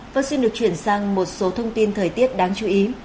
và xin được chuyển sang một số thông tin thời tiết đáng chú ý